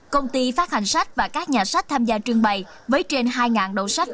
công ty phát hành sách và các nhà sách tham gia trương bày với trên hai đồ sách